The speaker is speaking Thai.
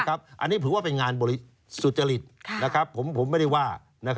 อันนี้ถือว่าเป็นงานบริสุจริตผมไม่ได้ว่า